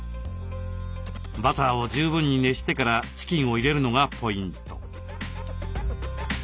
バターを十分に熱してからチキンを入れるのがポイント。